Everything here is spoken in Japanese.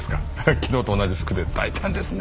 昨日と同じ服で大胆ですね。